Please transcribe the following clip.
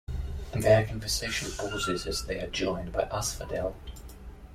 Their conversation pauses as they are joined by Asphodel.